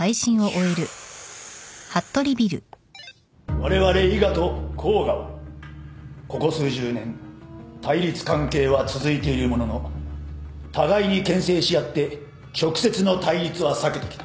われわれ伊賀と甲賀はここ数十年対立関係は続いているものの互いにけん制し合って直接の対立は避けてきた。